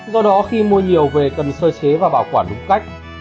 do đó khi mua nhiều về cần sơ chế và bảo quản đúng cách